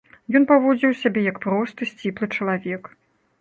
Ён паводзіў сябе як просты, сціплы чалавек.